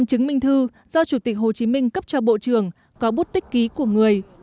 chứng minh thư do chủ tịch hồ chí minh cấp cho bộ trưởng có bút tích ký của người